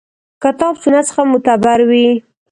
کتاب سنت څخه معتبر وي.